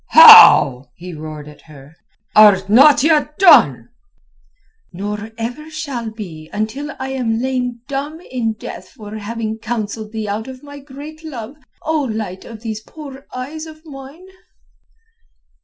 "How!" he roared at her. "Art not yet done?" "Nor ever shall be until I am lain dumb in death for having counselled thee out of my great love, O light of these poor eyes of mine."